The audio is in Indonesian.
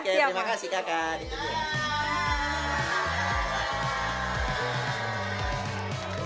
oke terima kasih kakak